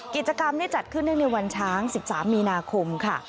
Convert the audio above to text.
กิจกรรมจัดขึ้นเนื่องในวันช้าง๑๓มีนาคมค่ะ